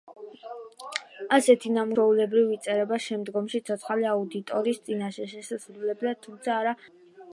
ასეთი ნამუშევრები ჩვეულებრივ იწერება შემდგომში ცოცხალი აუდიტორიის წინაშე შესასრულებლად, თუმცა არა ყოველთვის.